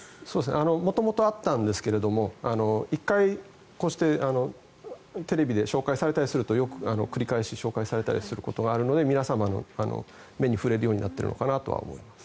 元々あったんですが１回、こうしてテレビで紹介されたりするとよく繰り返し紹介されたりすることがあるので皆様の目に触れるようになっているのかなとは思います。